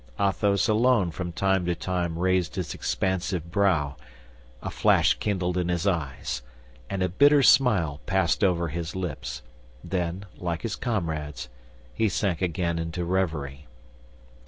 Athos alone from time to time raised his expansive brow; a flash kindled in his eyes, and a bitter smile passed over his lips, then, like his comrades, he sank again into reverie.